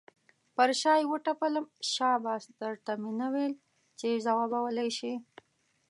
پر شا یې وټپلم، شاباس در ته مې نه ویل چې ځوابولی یې شې.